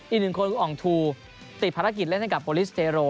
อีกหนึ่งคนอ่องทูติดภารกิจเล่นให้กับโอลิสเทโร